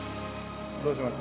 どうします？